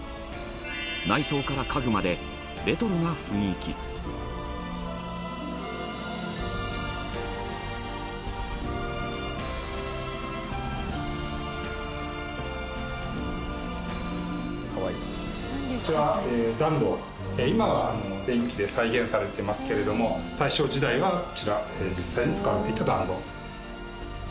内装から家具までレトロな雰囲気水流さん：今は電気で再現されてますけども大正時代は、こちら実際に使われていた暖炉。